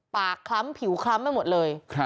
คล้ำผิวคล้ำไปหมดเลย